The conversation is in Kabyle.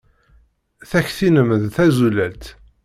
Takti-nnem d tazulalt.